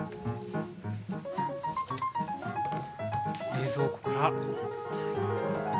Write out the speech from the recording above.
冷蔵庫から。